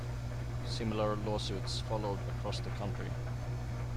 Similar lawsuits followed across the country.